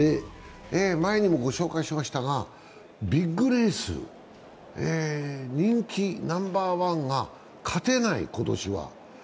前にもご紹介しましたが、ビッグレース、人気ナンバーワンが勝てない、今年は。